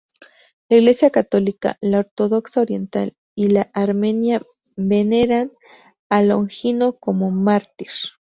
La Iglesia Católica, la Ortodoxa Oriental y la Armenia veneran a Longino como mártir.